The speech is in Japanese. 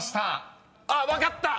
あっ分かった！